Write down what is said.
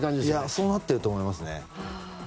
そうなってると思います。